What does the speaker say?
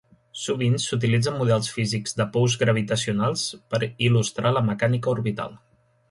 Sovint s'utilitzen models físics de pous gravitacionals per il·lustrar la mecànica orbital.